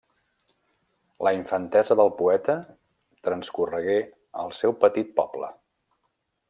La infantesa del poeta transcorregué al seu petit poble.